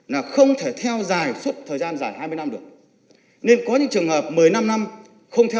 đóng ít thì hưởng ít